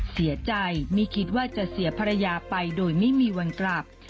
เสียใจไม่คิดว่าจะเสียภรรยาไปโดยไม่มีวันกลับ